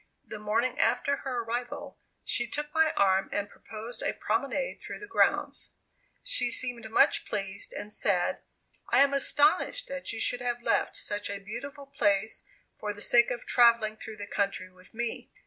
The morning after her arrival, she took my arm and proposed a promenade through the grounds. She seemed much pleased, and said, "I am astonished that you should have left such a beautiful place for the sake of travelling through the country with me."